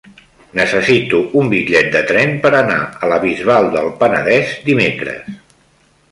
Necessito un bitllet de tren per anar a la Bisbal del Penedès dimecres.